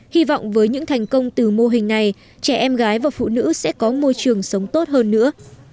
hy vọng với những thành công từ mô hình này trẻ em gái và phụ nữ sẽ có môi trường sống tốt hơn nữa